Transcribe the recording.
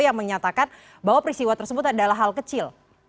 yang menyatakan bahwa peristiwa tersebut adalah hal kecil